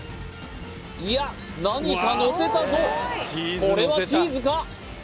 いや何かのせたぞこれはチーズか？